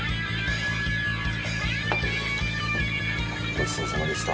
ごちそうさまでした。